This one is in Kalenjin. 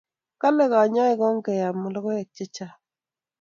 Kale kanyaik okeyam lokoek che chang